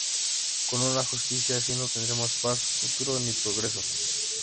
Con una justicia así no tendremos paz, futuro ni progreso.